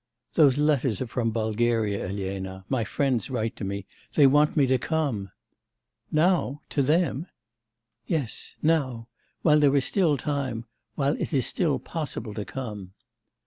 'Those letters are from Bulgaria, Elena; my friends write to me, they want me to come.' 'Now? To them?' 'Yes... now, while there is still time, while it is still possible to come.